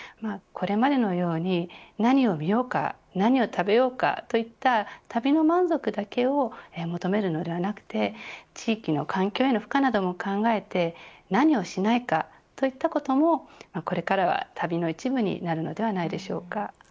これまでのように何を見ようか何を食べようかそういった旅の満足だけを求めるのではなくて地域の環境への負荷も考えて何をしないかということもこれからは旅の一部になるのではないでしょうか。